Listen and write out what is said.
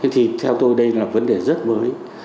thì theo tôi đây là vấn đề rất mới